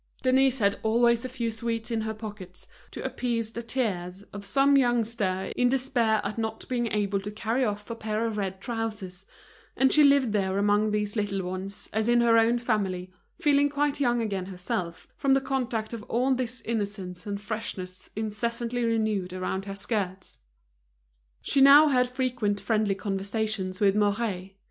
Denise had always a few sweets in her pockets, to appease the tears of some youngster in despair at not being able to carry off a pair of red trousers; and she lived there amongst these little ones as in her own family, feeling quite young again herself from the contact of all this innocence and freshness incessantly renewed around her skirts. She now had frequent friendly conversations with Mouret.